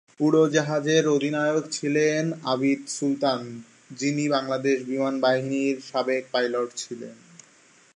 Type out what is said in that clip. উড়োজাহাজের অধিনায়ক ছিলেন আবিদ সুলতান, যিনি বাংলাদেশ বিমান বাহিনীর সাবেক পাইলট ছিলেন।